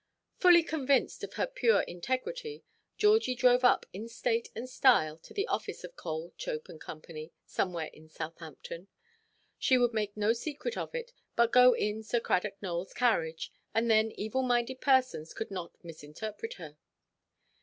Fully convinced of her pure integrity, Georgie drove up in state and style to the office of Cole, Chope, and Co., somewhere in Southampton. She would make no secret of it, but go in Sir Cradock Nowellʼs carriage, and then evil–minded persons could not misinterpret her.